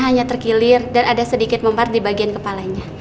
hanya terkilir dan ada sedikit mempat di bagian kepalanya